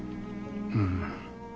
うん。